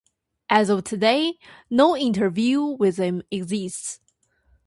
As of today, no interview with him exists.